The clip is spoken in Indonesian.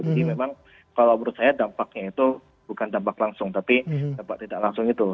jadi memang kalau menurut saya dampaknya itu bukan dampak langsung tapi dampak tidak langsung itu